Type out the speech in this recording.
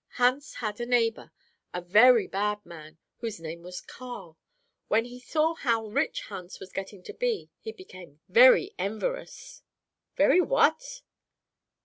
Hans had a neighbor, a very bad man, whose name was Carl. When he saw how rich Hans was getting to be, he became very enverous." "Very what?"